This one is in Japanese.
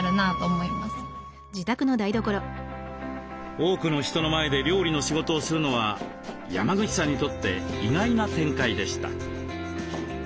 多くの人の前で料理の仕事をするのは山口さんにとって意外な展開でした。